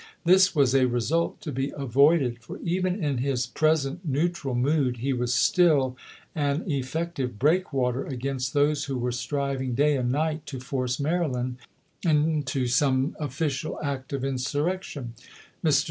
This was a result to be avoided; for, even in his present neutral mood, he was still an effective breakwater against those who were striving day and night to force Maryland into some official act of insurrec tiort. Mr.